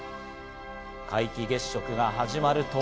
皆既月食が始まると。